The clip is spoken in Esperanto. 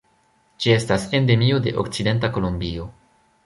Ĝi estas endemio de okcidenta Kolombio.